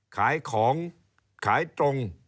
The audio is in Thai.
ขายของขายตรง